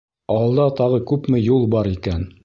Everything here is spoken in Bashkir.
Алда тағы күпме юл бар икән?